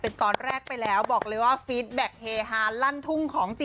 เป็นตอนเรกไปแล้วบอกเลยว่าฟีดแบ็คเฮฮานด์นด์ธุงของ